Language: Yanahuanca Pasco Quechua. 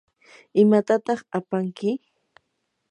¿imatataq apanki?